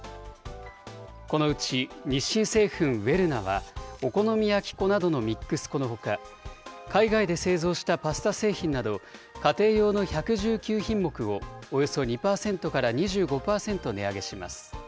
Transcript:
このうち日清製粉ウェルナはお好み焼き粉などのミックス粉のほか、海外で製造したパスタ製品など、家庭用の１１９品目を、およそ２％から２５％値上げします。